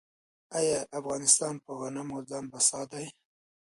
آیا افغانستان په غنمو ځان بسیا دی؟